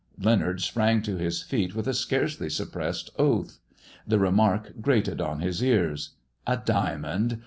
Leonard sprang to his feet with a scarcely suppressed oath. The remark grated on his ears. A diamond